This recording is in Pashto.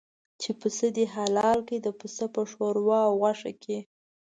چې پسه دې حلال کړ د پسه په شوروا او غوښه کې.